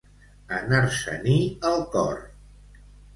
Anar-se-n'hi el cor.